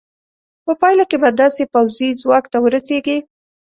په پایله کې به داسې پوځي ځواک ته ورسېږې.